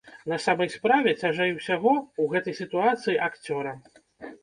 На самай справе, цяжэй усяго ў гэтай сітуацыі акцёрам.